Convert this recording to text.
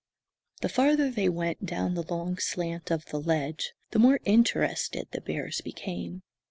The farther they went down the long slant of the ledge, the more interested the bears became.